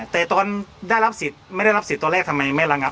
แต่ตอนได้รับสิทธิ์ไม่ได้รับสิทธิ์ตอนแรกทำไมไม่ระงับ